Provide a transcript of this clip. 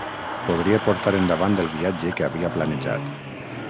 Podria portar endavant el viatge que havia planejat.